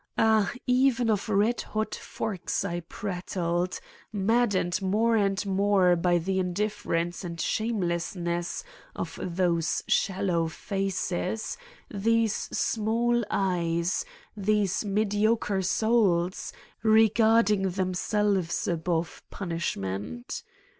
Ah, even of red hot forks I prattled, maddened more and more by 256 Satan's Diary the indifference and shamelessness of these shal low faces, these small eyes, these mediocre souls, regarding themselves above punishment.